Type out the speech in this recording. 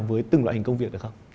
với từng loại hình công việc được không